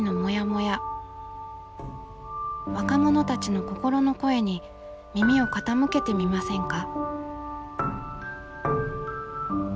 若者たちの心の声に耳を傾けてみませんか？